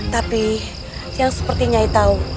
tapi yang sepertinya tahu